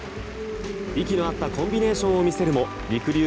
息の合ったコンビネーションを見せるもりくりゅ